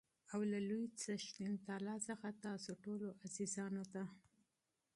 او له لوى څښتن تعالا څخه تاسو ټولو عزیزانو ته